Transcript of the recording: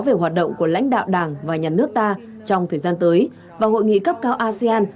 về hoạt động của lãnh đạo đảng và nhà nước ta trong thời gian tới và hội nghị cấp cao asean